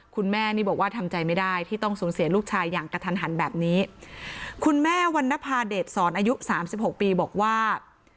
คุณแม่นี่บอกว่าทำใจไม่ได้ที่ต้องสูญเสียลูกชายอย่างกระทันหันแบบนี้คุณแม่วันนภาเดชสอนอายุสามสิบหกปีบอกว่า